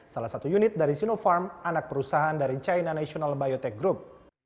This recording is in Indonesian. salah satu unit dari sinopharm anak perusahaan dari china national biotech group